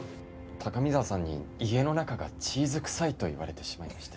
高見沢さんに家の中がチーズ臭いと言われてしまいまして。